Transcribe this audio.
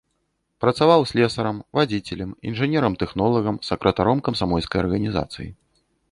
Працаваў слесарам, вадзіцелем, інжынерам-тэхнолагам, сакратаром камсамольскай арганізацыі.